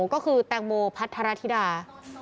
ก็คือแตงโมพัทรธิดา